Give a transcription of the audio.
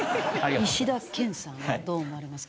石田健さんはどう思われますか？